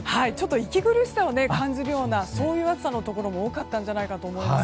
息苦しさを感じるようなそういう暑さのところも多かったかとと思います。